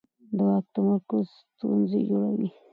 د واک تمرکز ستونزې جوړوي